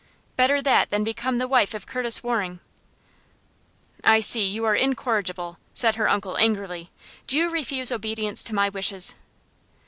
"Better that than become the wife of Curtis Waring " "I see, you are incorrigible," said her uncle, angrily. "Do you refuse obedience to my wishes?"